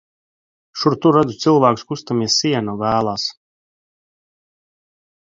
Šur tur redz cilvēkus kustamies siena vālās.